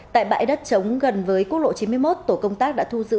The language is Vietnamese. tại bãi đất chống gần với quốc lộ chín mươi một tổ công tác đã thu giữ